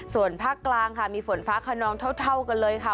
ส่วนภาคกลางค่ะมีฝนฟ้าขนองเท่ากันเลยค่ะ